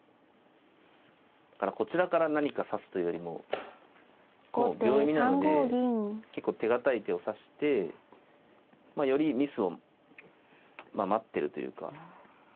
こちらから何か指すというよりももう秒読みなので結構手堅い手を指してよりミスを待ってるというか。